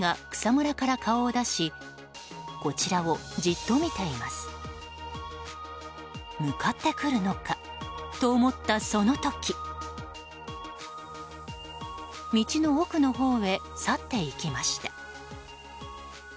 向かってくるのかと思ったその時道の奥のほうへ去っていきました。